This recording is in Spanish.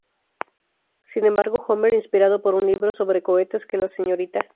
Sin embargo Homer, inspirado por un libro sobre cohetes que la Srta.